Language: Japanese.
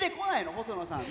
細野さん。